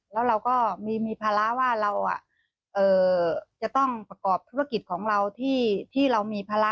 แล้วเราก็มีภาระว่าเราจะต้องประกอบธุรกิจของเราที่เรามีภาระ